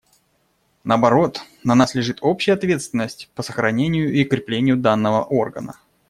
Наоборот, на нас лежит общая ответственность по сохранению и укреплению данного органа.